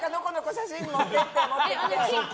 写真持ってきて。